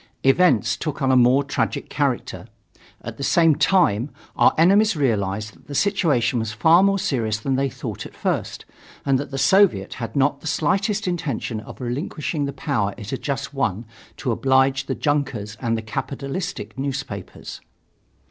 Events took on a more tragic character. At the same time, our enemies realized that the situation was far more serious than they thought at first and that the Soviet had not the slightest intention of relinquishing the power it had won just to oblige the junkers and the capitalistic newspapers.